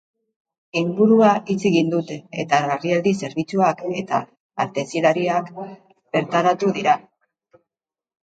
Ingurua itxi egin dute, eta larrialdi zerbitzuak eta artezilariak bertaratu dira.